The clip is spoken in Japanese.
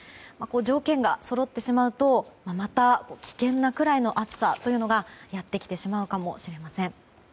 条件がそろってしまうとまた危険なくらいの暑さがやってきてしまうかもしれません。